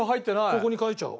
ここに書いちゃおう。